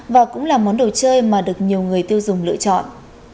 và cũng là món đồ chơi mà được nhiều người tiêu dùng lựa chọn